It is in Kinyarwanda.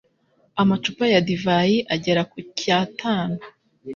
amacupa ya divayi agera ku icyatanu